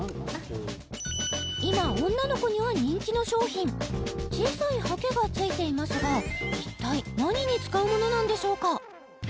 今女の子には人気の商品小さいハケが付いていますが一体何に使うものなんでしょうか？